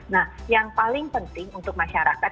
nah yang paling penting untuk masyarakat